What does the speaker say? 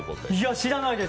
知らないです。